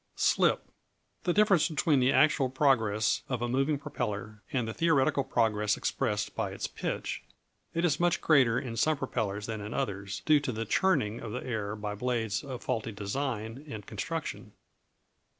Slip The difference between the actual progress of a moving propeller, and the theoretical progress expressed by its pitch. It is much greater in some propellers than in others, due to the "churning" of the air by blades of faulty design and construction.